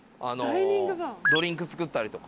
ドリンク作ったりとか。